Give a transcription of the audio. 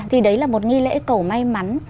thì đấy là một nghi lễ cầu may mắn